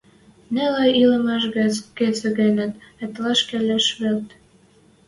Нелӹ ӹлӹмӓш гӹц кыце-гӹнят ытлаш келеш вет.